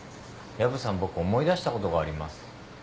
薮さん僕思い出したことがあります。